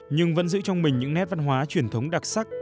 nhưng vẫn giữ trong mình những nét văn hóa truyền thống đặc sắc